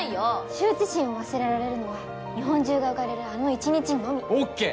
羞恥心を忘れられるのは日本中が浮かれるあの一日のみ。ＯＫ！